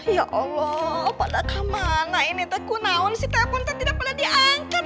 ya allah padahal mana ini tepuk naun si telepon tidak pada diangkat